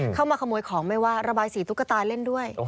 เข้ามาขโมยของราบายสีตุ๊กตาเล่นด้วย